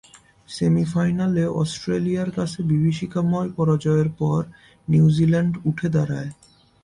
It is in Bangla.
সেমি-ফাইনালে অস্ট্রেলিয়ার কাছে বিভীষিকাময় পরাজয়ের পর নিউজিল্যান্ড উঠে দাঁড়ায়।